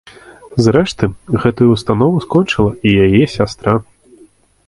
Зрэшты, гэтую ўстанову скончыла і яе сястра.